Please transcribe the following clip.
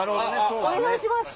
お願いします。